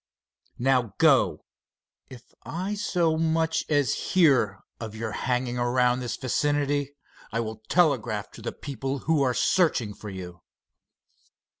Now go. If I so much as hear of your hanging around this vicinity, I will telegraph to the people who are searching for you."